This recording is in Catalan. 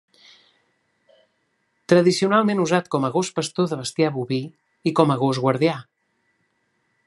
Tradicionalment usat com a gos pastor de bestiar boví i com a gos guardià.